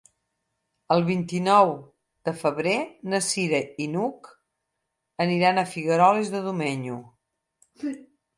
El vint-i-nou de febrer na Cira i n'Hug aniran a Figueroles de Domenyo.